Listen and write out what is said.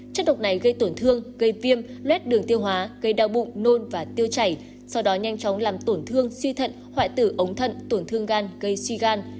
chất độc này gây tổn thương gây viêm lết đường tiêu hóa gây đau bụng nôn và tiêu chảy sau đó nhanh chóng làm tổn thương suy thận hoại tử ống thận tổn thương gan gây suy gan